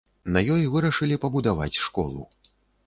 На ёй вырашылі пабудаваць школу.